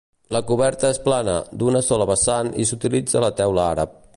La coberta és plana, d'una sola vessant i s'utilitza la teula àrab.